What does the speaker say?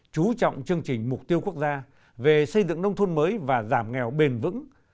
chú trọng chương trình mục tiêu quốc gia về xây dựng nông thôn mới và giảm nghèo bền vững